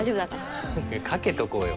かけとこうよ。